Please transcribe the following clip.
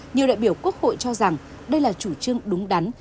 nhiều đại biểu quốc hội cho rằng đây là chủ trương đúng đắn